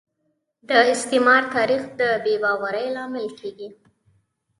د استعمار تاریخ د بې باورۍ لامل کیږي